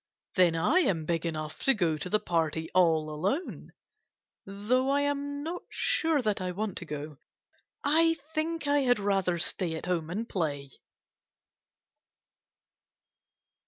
Then I am big enough to go to the party all alone, though I am not sure that I want to go. I think I had rather stay at home and play.